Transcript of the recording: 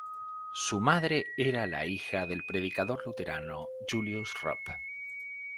Su madre era hija del predicador luterano Julius Rupp.